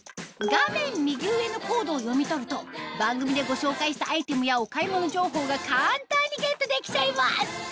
画面右上のコードを読み取ると番組でご紹介したアイテムやお買い物情報が簡単にゲットできちゃいます